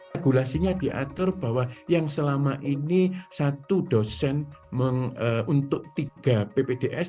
regulasinya diatur bahwa yang selama ini satu dosen untuk tiga ppds